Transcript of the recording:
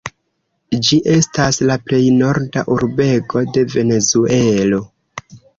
Ĝi estas la plej norda urbego de Venezuelo.